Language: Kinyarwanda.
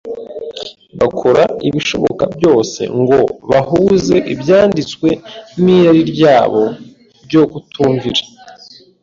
bakora ibishoboka byose ngo bahuze Ibyanditswe n’irari ryabo ryo kutumvira.